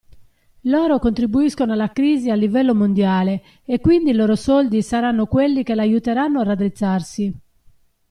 Loro contribuiscono alla crisi a livello mondiale e quindi i loro soldi saranno quelli che l'aiuteranno a raddrizzarsi.